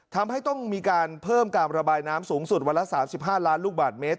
ทำให้ต้องมีการเพิ่มการระบายน้ำสูงสุดวันละ๓๕ล้านลูกบาทเมตร